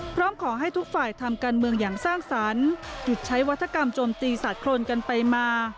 พร้อมขอให้ทุกฝ่ายทำการเมืองอย่างสร้างสรรค์หยุดใช้วัฒกรรมโจมตีสาดโครนกันไปมา